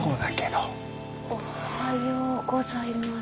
おはようございます。